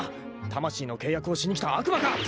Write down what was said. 魂の契約をしに来た悪魔か！